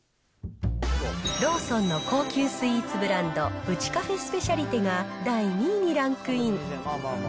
ローソンの高級スイーツブランド、ウチカフェスペシャリテが第２位にランクイン。